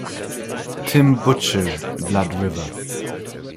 Tim Butcher: "Blood River.